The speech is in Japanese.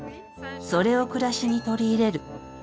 それを暮らしに取り入れる。